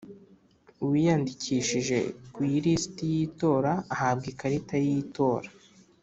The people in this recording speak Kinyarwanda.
Uwiyandikishije ku ilisiti y itora ahabwa ikarita y’itora